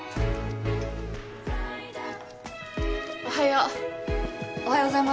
おはよう。